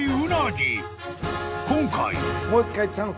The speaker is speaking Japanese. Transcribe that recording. ［今回］